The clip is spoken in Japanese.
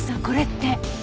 これって。